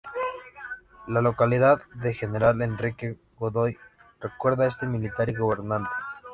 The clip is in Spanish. La localidad de General Enrique Godoy recuerda a este militar y gobernante.